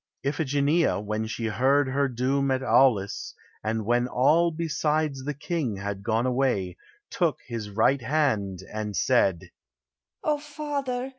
Iphigeneia, when she heard her doom At Aulis, and when all beside the king Had gone away, took his right hand, and said: "O father!